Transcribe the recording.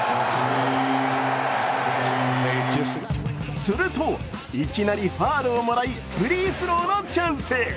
するといきなりファウルをもらいフリースローのチャンス。